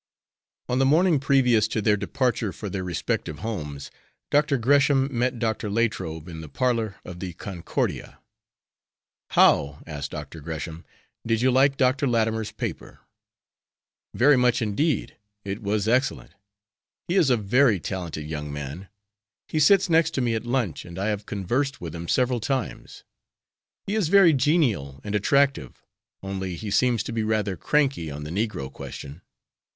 On the morning previous to their departure for their respective homes, Dr. Gresham met Dr. Latrobe in the parlor of the Concordia. "How," asked Dr. Gresham, "did you like Dr. Latimer's paper?" "Very much, indeed. It was excellent. He is a very talented young man. He sits next to me at lunch and I have conversed with him several times. He is very genial and attractive, only he seems to be rather cranky on the negro question.